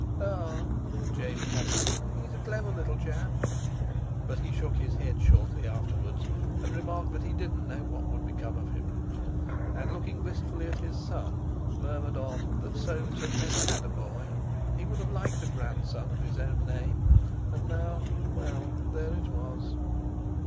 "Ah!" James muttered, "he's a clever little chap." But he shook his head shortly afterwards and remarked that he didn't know what would become of him, and looking wistfully at his son, murmured on that Soames had never had a boy. He would have liked a grandson of his own name. And now—well, there it was!